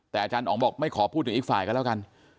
แต่อาจารย์อ๋องบอกไม่ขอพูดถึงอีกฝ่ายก็แล้วกัน